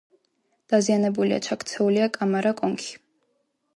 დაზიანებულია: ჩაქცეულია კამარა, კონქი.